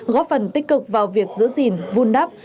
góp phần tích cực vào việc giữ gìn vun đắp